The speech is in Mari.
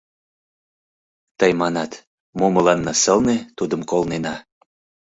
Тый манат: «Мо мыланна сылне, тудым колнена».